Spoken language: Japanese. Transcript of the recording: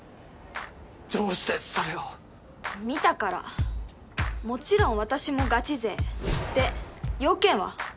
どうしてそれを見たからもちろん私もガチ勢で用件は？